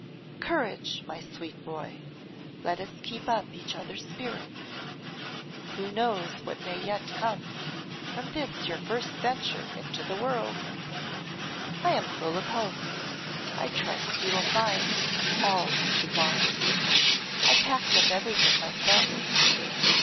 Courage, my sweet boy! let us keep up each other's spirits. Who knows what may yet come from this your first venture into the world? I am full of hope. I trust you will find all that you want. I packed up everything myself.